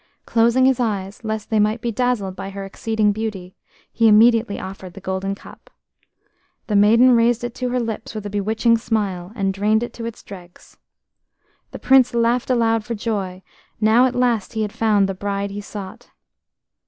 Closing his eyes, lest they might be dazzled by her exceeding beauty, he immediately offered the golden cup. The maiden raised it to her lips with a bewitching smile, and drained it to its dregs. The Prince laughed aloud for joy; now at last he had found the bride he sought.